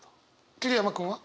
桐山君は？